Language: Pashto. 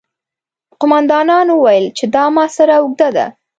قوماندانانو وويل چې دا محاصره اوږده ده.